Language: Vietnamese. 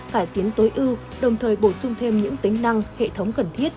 cải tiến tối ưu đồng thời bổ sung thêm những tính năng hệ thống cần thiết